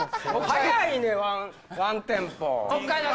早いねんワンテンポ。